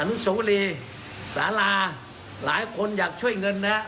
นุโสรีสาราหลายคนอยากช่วยเงินนะฮะ